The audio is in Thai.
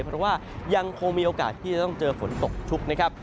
เพราะว่ายังคงมีโอกาสที่จะต้องเจอฝนตกชุกนะครับ